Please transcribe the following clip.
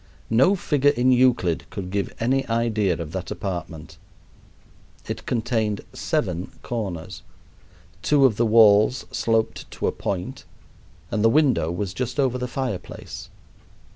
No figure in Euclid could give any idea of that apartment. It contained seven corners, two of the walls sloped to a point, and the window was just over the fireplace.